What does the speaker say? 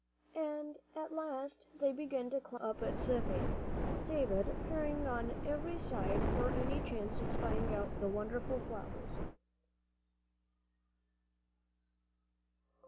And at last they began to climb up its face, David peering on every side for any chance at spying out the wonderful flowers.